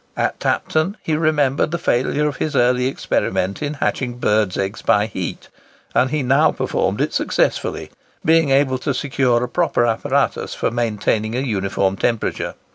At Tapton he remembered the failure of his early experiment in hatching birds' eggs by heat, and he now performed it successfully, being able to secure a proper apparatus for maintaining a uniform temperature.